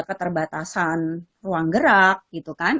keterbatasan ruang gerak gitu kan